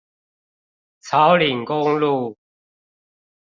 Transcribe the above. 草嶺公路